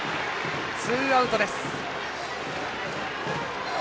ツーアウトです。